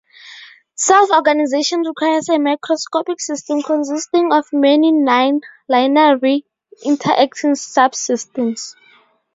Self-organization requires a 'macroscopic' system, consisting of many nonlinearly interacting subsystems.